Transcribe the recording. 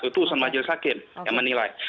itu urusan majelis hakim yang menilai